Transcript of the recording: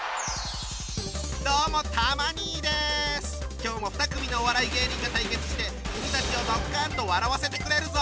今日も２組のお笑い芸人が対決して君たちをドッカンと笑わせてくれるぞ！